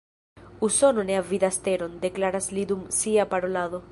Usono ne avidas teron, deklaras li dum sia parolado.